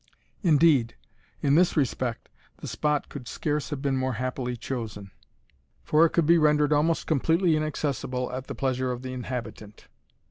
Indeed, in this respect, the spot could scarce have been more happily chosen, for it could be rendered almost completely inaccessible at the pleasure of the inhabitant.